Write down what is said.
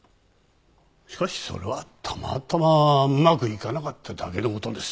しかしそれはたまたまうまくいかなかっただけの事です。